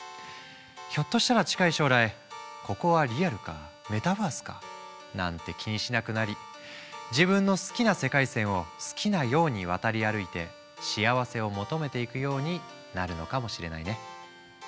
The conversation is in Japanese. ひょっとしたら近い将来ここはリアルかメタバースかなんて気にしなくなり自分の好きな世界線を好きなように渡り歩いて幸せを求めていくようになるのかもしれないね。